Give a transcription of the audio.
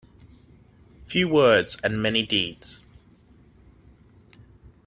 Few words and many deeds.